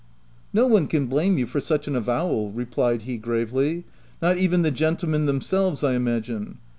" No one can blame you for such an avowal," replied he gravely ;" not even the gentlemen themselves, I imagine.